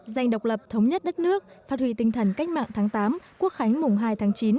giành độc lập thống nhất đất nước phát huy tinh thần cách mạng tháng tám quốc khánh mùng hai tháng chín